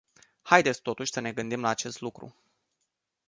Haideți totuși să ne gândim la acest lucru.